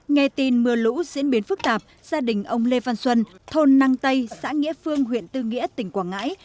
nghe tin mưa lũ diễn biến phức tạp gia đình ông lê văn xuân thôn năng tây xã nghĩa phương huyện tư nghĩa tỉnh quảng ngãi